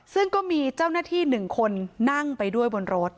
ซึ่งก็มีเจ้าหน้าที่๑คนนั่งไปด้วยบนรถ